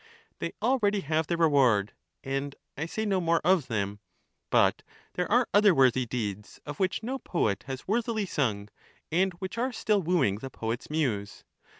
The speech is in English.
They already have their reward, and I say no more of them ; but there are other worthy deeds of which no poet has worthily sung, and which are still wooing the poet's muse.